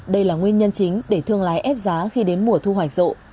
đây là nguyên nhân chính để thương lái ép giá khi đến mùa thu hoạch rộ